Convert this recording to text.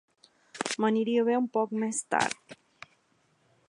M'aniria bé un poc més tard.